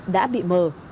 đã bị mờ